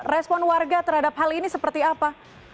respon warga terhadap hal ini seperti apa